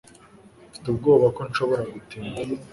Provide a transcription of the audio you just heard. mfite ubwoba ko nshobora gutinda